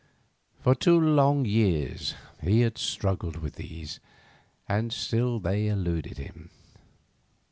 For two long years he had struggled with these, and still they eluded him.